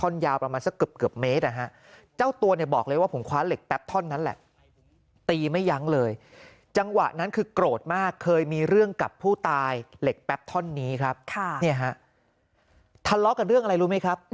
นี่ฮะทะเลาะกับเรื่องอะไรรู้ไหมครับ